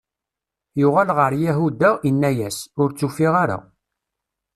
Yuɣal ɣer Yahuda, inna-yas: Ur tt-ufiɣ ara.